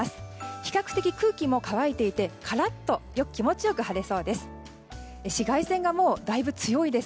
比較的空気も乾いていてカラッと気持ちよく晴れそうです。